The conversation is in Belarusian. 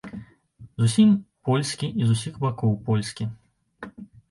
Зусім польскі і з усіх бакоў польскі.